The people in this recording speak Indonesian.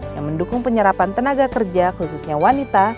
yang mendukung penyerapan tenaga kerja khususnya wanita